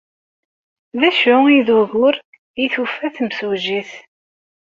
D acu ay d ugur ay d-tufa timsujjit?